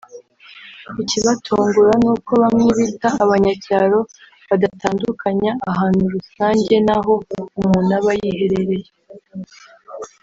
Ikibatungura ni uko bamwe bita abanyacyaro badatandukanya ahantu rusange n’aho umuntu aba yiherereye